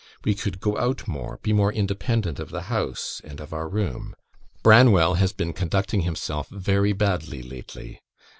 We could go out more, be more independent of the house and of our room. Branwell has been conducting himself very badly lately.